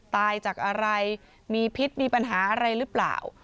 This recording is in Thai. ตายจากอะไรมีพิษมีปัญหาอะไรหรือเปล่า